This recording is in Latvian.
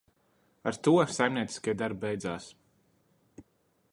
Ar to saimnieciskie darbi beidzās.